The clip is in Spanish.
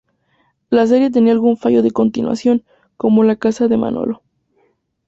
La serie tenía algún fallo de continuación, como la casa de Manolo.